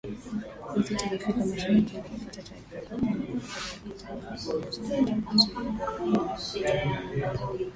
Gazeti la Afrika Mashariki limepata taarifa kuwa Kenya na Uganda walikataa uamuzi wa zoezi la kutafuta nchi iliyo bora kuwa mwenyeji wa jumuiya.